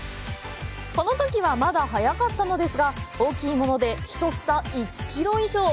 このときはまだ早かったのですが大きいもので１房１キロ以上。